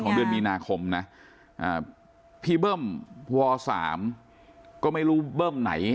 เดือนมีนาคมนะพี่เบิ้มว๓ก็ไม่รู้เบิ้มไหน